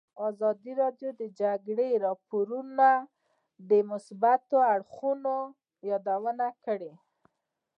ازادي راډیو د د جګړې راپورونه د مثبتو اړخونو یادونه کړې.